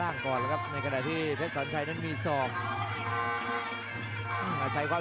อาร์ฟแล้วครับจังหว่าว่างนายมีศอกขวา